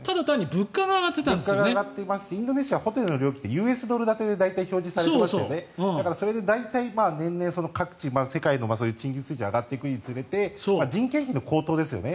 物価が上がってますしインドネシアってホテルの料金はＵＳドルで基本的に表示されていますのでそれで大体年々各地の賃金水準が上がっていくにつれて人件費の高騰ですよね。